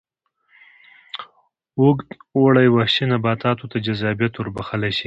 اوږد اوړي وحشي نباتاتو ته جذابیت ور بخښلی و.